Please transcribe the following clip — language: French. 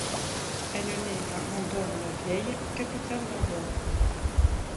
Elle naît à Andorre-la-Vieille, capitale d'Andorre.